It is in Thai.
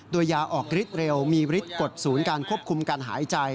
โดยยาออกฤทธิเร็วมีฤทธิกฎศูนย์การควบคุมการหายใจ